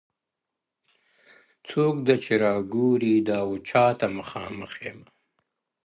څوک ده چي راګوري دا و چاته مخامخ يمه ـ